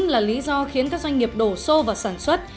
là lý do khiến các doanh nghiệp đổ xô vào sản xuất